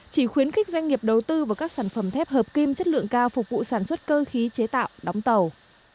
chỉ khuyến khích doanh nghiệp đầu tư vào các sản phẩm thép hợp kim chất lượng cao phục vụ sản xuất cơ khí chế tạo đóng tàu